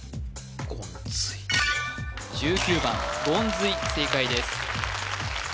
１９番ゴンズイ正解です